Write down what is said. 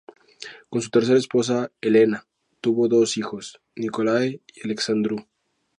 Con su tercer esposa, Elena, tuvo dos hijos, Nicolae y Alexandru.